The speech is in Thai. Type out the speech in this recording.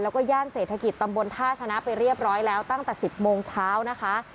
แล้วก็ย่านเศรษฐกิจตำบลท่าชนะไปเรียบร้อยแล้วตั้งแต่๑๐โมงเช้านะคะ